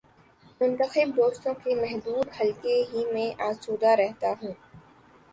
منتخب دوستوں کے محدود حلقے ہی میں آسودہ رہتا ہوں۔